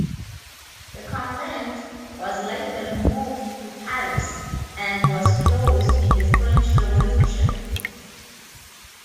The convent was later moved to Paris and was closed in the French Revolution.